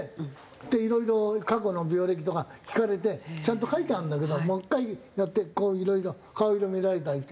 でいろいろ過去の病歴とか聞かれてちゃんと書いてあるんだけどもう１回やってこういろいろ顔色診られたりして。